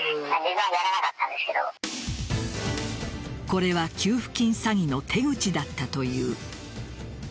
これは給付金詐欺の手口だったという。